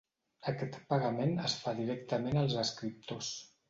Aquest pagament es fa directament als escriptors.